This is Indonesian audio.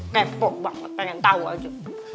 kepok banget pengen tahu aja